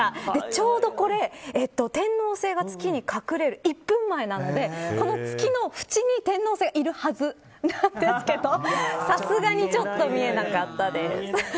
ちょうどこれ、天王星が月に隠れる１分前なので、この月の縁に天王星がいるはずなんですけどさすがにちょっと見えなかったです。